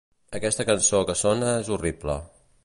Aquesta cançó que sona és horrible.